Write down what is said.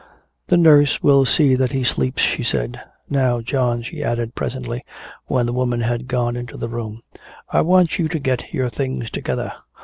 "The nurse will see that he sleeps," she said. "Now, John," she added, presently, when the woman had gone into the room, "I want you to get your things together.